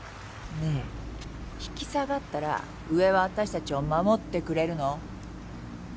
ねえ引き下がったら上は私たちを守ってくれるの？